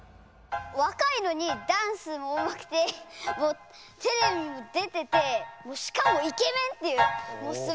わかいのにダンスもうまくてテレビも出ててしかもイケメンっていう。